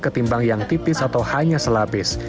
ketimbang yang tipis atau hanya selapis